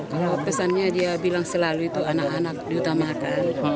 kalau pesannya dia bilang selalu itu anak anak diutamakan